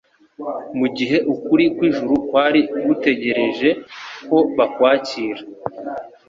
mu gihe ukuri kw'ijuru kwari gutegereje ko bakwakira.